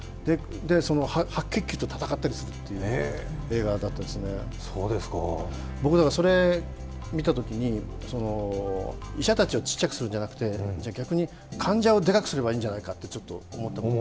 その白血球と戦ったりするっていう映画なんですけど僕、それを見たときに、医者たちをちっちゃくするんじゃなくてじゃあ逆に患者をでかくすればいいんじゃないかと思って。